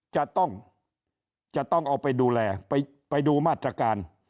จะต้องจะต้องเอาไปดูแลไปดูมาตรการ